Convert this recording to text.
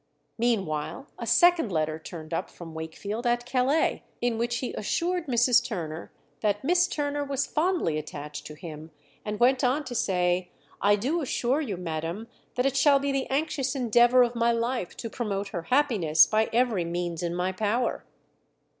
Meanwhile, a second letter turned up from Wakefield at Calais, in which he assured Mrs. Turner that Miss Turner was fondly attached to him, and went on to say, "I do assure you, madam, that it shall be the anxious endeavour of my life to promote her happiness by every means in my power."